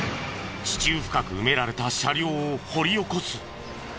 地中深く埋められた車両を掘り起こす！